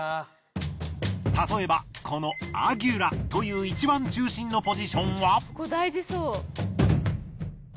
例えばこのアギュラという一番中心のポジションは。